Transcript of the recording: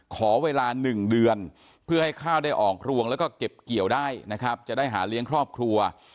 ขอเวลา๑เดือนให้ข้าวออกรวงและเก็บเกี่ยวจะได้หาเลี้ยงครอบครัว